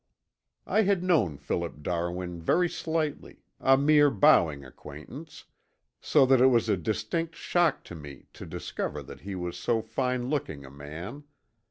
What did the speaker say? I had known Philip Darwin very slightly, a mere bowing acquaintance, so that it was a distinct shock to me to discover that he was so fine looking a man.